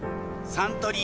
サントリー